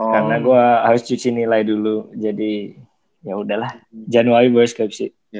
karena gue harus cuci nilai dulu jadi yaudahlah januari gue skripsi